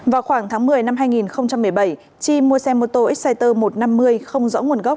vào khoảng tháng một mươi năm hai nghìn một mươi bảy chi mua xe mô tô exciter một trăm năm mươi không rõ nguồn gốc